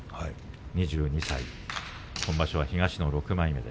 ２２歳今場所は東の６枚目。